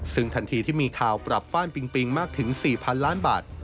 ซึ่งทันทีที่มีข่าวปรับฟ่านปิงปิงมากถึง๔๐๐๐ล้านบาท